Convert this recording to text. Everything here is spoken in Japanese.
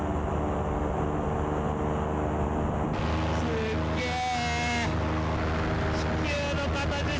すっげー！